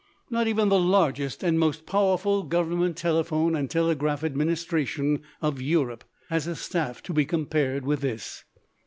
Not even the largest and most powerful government telephone and telegraph administration of Europe has a staff to be compared with this.